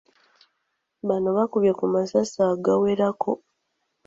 Bano baakubye ku masasi agawerako.